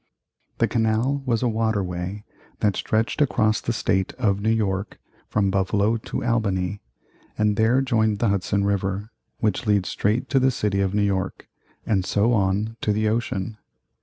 The canal was a water way that stretched across the State of New York from Buffalo to Albany and there joined the Hudson River, which leads straight to the city of New York, and so on to the ocean.